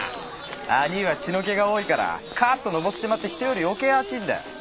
あにぃは血の気が多いからカッとのぼせちまって人より余計あちいんだよ。